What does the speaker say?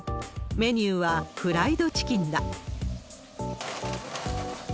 メニューはフライドチキンだ。